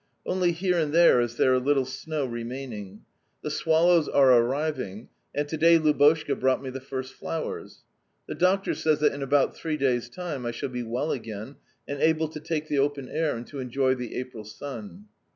Only here and there is there a little snow remaining. The swallows are arriving, and to day Lubotshka brought me the first flowers. The doctor says that in about three days' time I shall be well again and able to take the open air and to enjoy the April sun.